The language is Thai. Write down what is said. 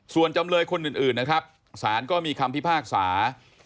ส่วนจำเลยคนอื่นนะครับสารก็มีคำพิพากษา